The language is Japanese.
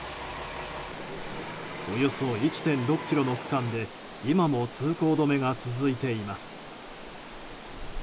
およそ１．６ｋｍの区間で今も通行止めが続いています。